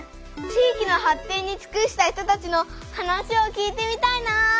地域の発展につくした人たちの話を聞いてみたいな！